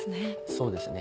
そうですね。